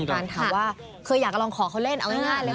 เจ๋งไทยรัฐที่วิวเหมือนกันถามว่าเคยอยากลองขอเค้าเล่นเอาง่ายเลย